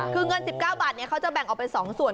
คือเงิน๑๙บาทเขาจะแบ่งออกเป็น๒ส่วน